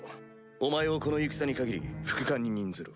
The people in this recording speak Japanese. お前をこの戦に限り副官に任ずる。